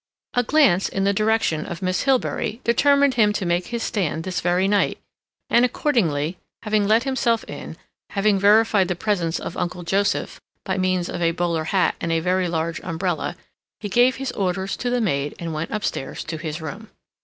A glance in the direction of Miss Hilbery determined him to make his stand this very night, and accordingly, having let himself in, having verified the presence of Uncle Joseph by means of a bowler hat and a very large umbrella, he gave his orders to the maid, and went upstairs to his room.